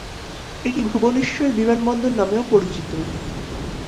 এটি ভুবনেশ্বর বিমানবন্দর নামেও পরিচিত।